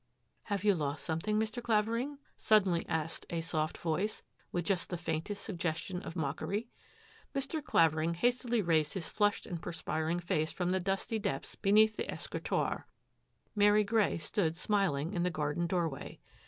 " Have you lost something, Mr. Claveri suddenly asked a soft voice, with just the fa suggestion of mockery. Mr. Clavering hastily raised his flushed perspiring face from the dusty depths beneal escritoire. Mary Grey stood smiling in the den doorway.